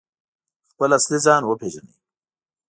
خپل اصلي ځان وپیژني؟